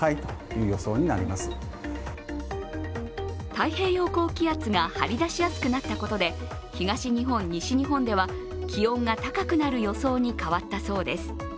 太平洋高気圧が張り出しやすくなったことで東日本、西日本では気温が高くなる予想に変わったそうです。